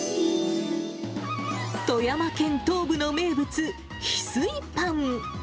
富山県東部の名物、ひすいパン。